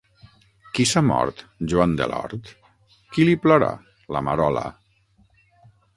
Qui s’ha mort? Joan de l’hort. Qui li plora? La Marola.